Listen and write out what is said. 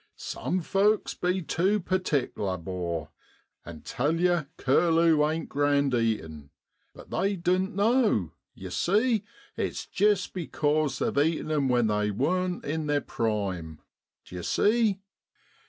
* Some folks be tew pertikler, 'bor, and tell yer curlew ain't grand eatin' but they doan't know, yer see, it's jist becos they've eaten 'em when they wasn't in their prime. D'ye see